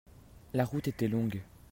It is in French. la route était longue.